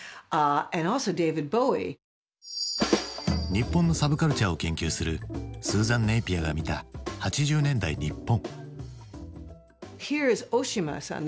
日本のサブカルチャーを研究するスーザン・ネイピアが見た８０年代日本。